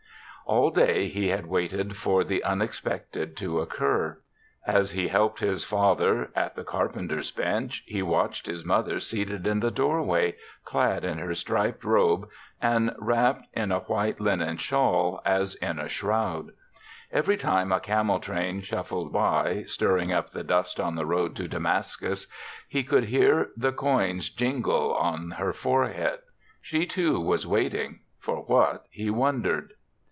All day he had waited for the un expected to occur. As he helped his father at the carpenter's bench, he watched his mother seated in the doorway, clad in her striped robe and wrapped in a white linen shawl THE SEVENTH CHRISTMAS 7 as in a shroud. Every time a camel train shuffled by, stirring up the dust on the road to Damascus, he could hear the coins jingle on her forehead. She, too, was waiting — for what, he wondered.